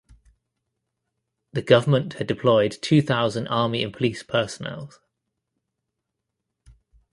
The government had deployed two thousand army and police personals.